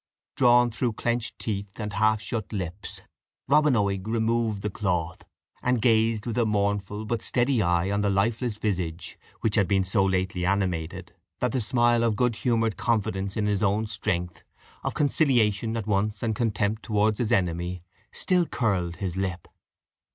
drawn through clenched teeth and half shut lips, Robin Oig removed the cloth, and gazed with a mournful but steady eye on the lifeless visage, which had been so lately animated, that the smile of good humoured confidence in his own strength, of conciliation at once and contempt towards his enemy, still curled his lip.